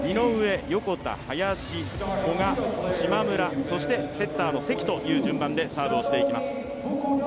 井上、横田、林、古賀、島村、そしてセッターの関という順番でサーブをしていきます。